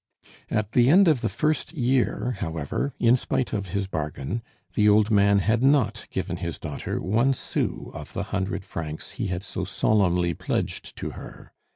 At the end of the first year, however, in spite of his bargain, the old man had not given his daughter one sou of the hundred francs he had so solemnly pledged to her.